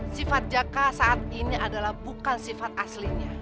sifat jaka saat ini adalah bukan sifat aslinya